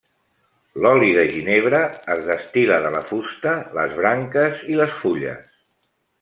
L'oli de ginebre es destil·la de la fusta, les branques i les fulles.